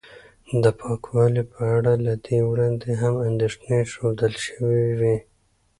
د پاکوالي په اړه له دې وړاندې هم اندېښنې ښودل شوې وې